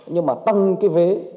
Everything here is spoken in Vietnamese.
nhưng mà tăng cái vế